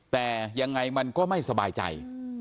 แต่ยังไงมันก็ไม่สบายใจ